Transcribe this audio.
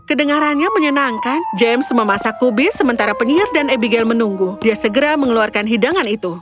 kedengarannya menyenangkan james memasak kubis sementara penyihir dan abigail menunggu dia segera mengeluarkan hidangan itu